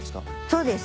・そうです。